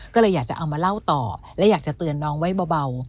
ก็เลยอยากจะเอามาเล่าต่อและอยากจะเตือนน้องไว้เบา